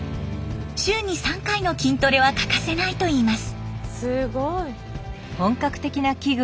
週に３回の筋トレは欠かせないといいます。